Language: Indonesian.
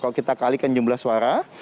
kalau kita kalikan jumlah suara